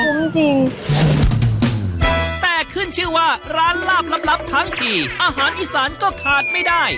จริงจริงแต่ขึ้นชื่อว่าร้านลาบลับลับทั้งทีอาหารอีสานก็ขาดไม่ได้